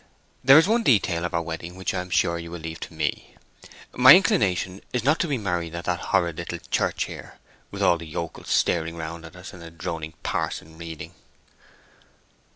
There is one detail of our wedding which I am sure you will leave to me. My inclination is not to be married at the horrid little church here, with all the yokels staring round at us, and a droning parson reading."